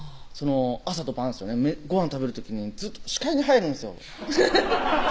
朝と晩ごはん食べる時にずっと視界に入るんですよ